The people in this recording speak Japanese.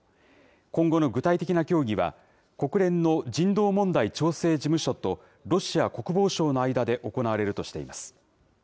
今後の具体的な協議は、国連の人道問題調整事務所と、ロシア国防省の間で行われるとしています。